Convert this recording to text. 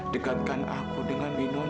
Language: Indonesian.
dekatkan aku dengan winona